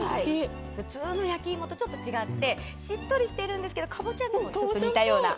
普通の焼き芋とちょっと違ってしっとりしているんですけどカボチャとちょっと似たような。